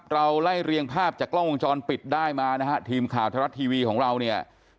ไล่เรียงภาพจากกล้องวงจรปิดได้มานะฮะทีมข่าวไทยรัฐทีวีของเราเนี่ย